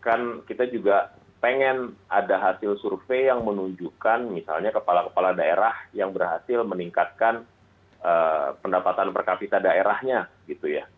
kan kita juga pengen ada hasil survei yang menunjukkan misalnya kepala kepala daerah yang berhasil meningkatkan pendapatan per kapita daerahnya gitu ya